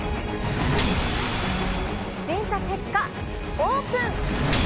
審査結果、オープン。